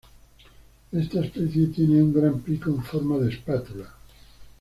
Esta especie tiene un gran pico en forma de espátula.